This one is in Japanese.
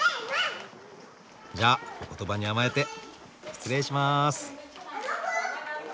じゃお言葉に甘えて失礼します。